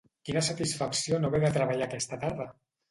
Quina satisfacció no haver de treballar aquesta tarda!